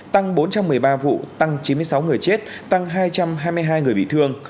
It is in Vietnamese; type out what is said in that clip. tăng bốn trăm một mươi ba vụ tăng chín mươi sáu người chết tăng hai trăm hai mươi hai người bị thương